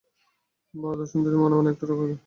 বরদাসুন্দরীর মনে মনে একটু রাগ হইল।